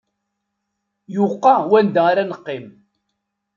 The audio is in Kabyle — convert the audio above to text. Yuqa wanda ara neqqim!